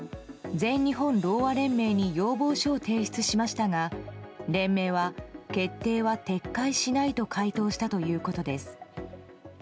全日本ろうあ連盟に要望書を提出しましたが連盟は決定は撤回しないと回答したということです。